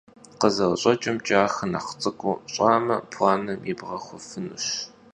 Khızerış'eç'ımç'e, axer nexh ts'ık'uu ş'ame, planım yibğexuefınuş.